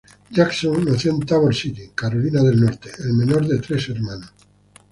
Jackson, nació en Tabor City, Carolina del Norte, el menor de tres hermanos.